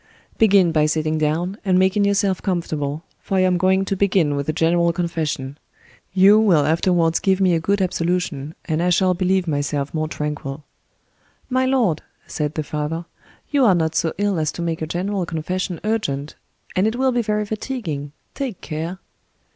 "Begin by sitting down, and making yourself comfortable, for I am going to begin with a general confession; you will afterwards give me a good absolution, and I shall believe myself more tranquil." "My lord," said the father, "you are not so ill as to make a general confession urgent—and it will be very fatiguing—take care."